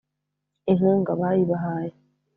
inkunga bayibahaye